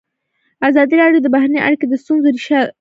ازادي راډیو د بهرنۍ اړیکې د ستونزو رېښه بیان کړې.